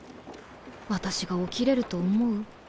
私が起きれると思う？